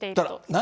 何？